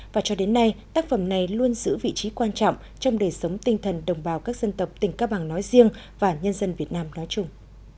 và cho đến nay tác phẩm này luôn giữ vị trí quan trọng trong đời sống tinh thần đồng bào các dân tộc tỉnh cao bằng nói riêng và nhân dân việt nam nói chung